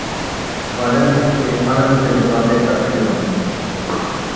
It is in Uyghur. ئادەمگە خۇددى ئانا تىلدا يېزىلغاندەكلا تۇيغۇ بېرىدۇ.